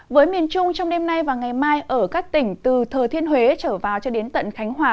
với miền trung trong đêm nay và ngày mai ở các tỉnh từ thừa thiên huế trở vào cho đến tận khánh hòa